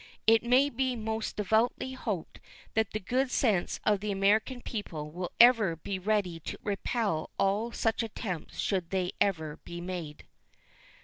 It may be most devoutly hoped that the good sense of the American people will ever be ready to repel all such attempts should they ever be made.